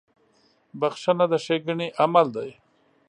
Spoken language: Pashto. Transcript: • بخښنه د ښېګڼې عمل دی.